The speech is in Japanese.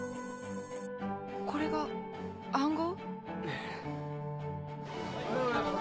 これが暗号？